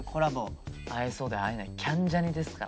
会えそうでえないキャンジャニですからね。